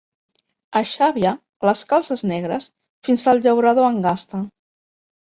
A Xàbia, les calces negres, fins el llaurador en gasta.